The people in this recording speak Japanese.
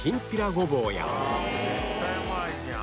これ絶対うまいじゃん。